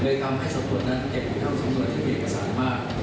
เลยทำให้สัมสวนนั้นเก็บที่นั่งสัมสวนที่มีเอกสารมาก